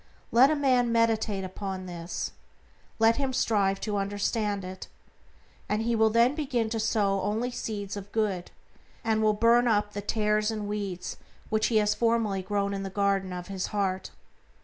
Let a man meditate upon this, let him strive to understand it, and he will then begin to sow only seeds of good, and will burn up the tares and weeds which he has formerly grown in the garden of his heart.